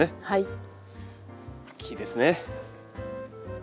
はい。